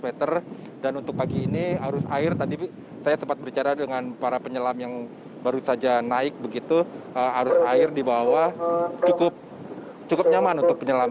meter dan untuk pagi ini arus air tadi saya sempat berbicara dengan para penyelam yang baru saja naik begitu arus air di bawah cukup nyaman untuk penyelam